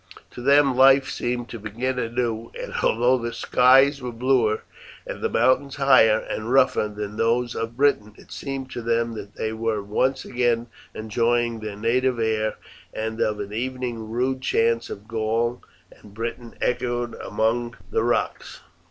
To them life seemed to begin anew, and although the skies were bluer and the mountains higher and rougher than those of Britain, it seemed to them that they were once again enjoying their native air, and of an evening rude chants of Gaul and Britain echoed among the rocks.